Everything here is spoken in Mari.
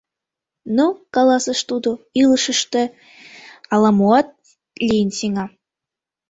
Но, каласыш тудо, илышыште ала-моат лийын сеҥа!